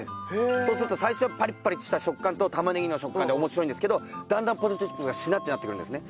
そうすると最初はパリパリした食感と玉ねぎの食感で面白いんですけどだんだんポテトチップスがしなってなってくるんですね。